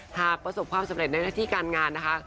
หากประสบความสำเร็จในหน้าที่การงานนะคะ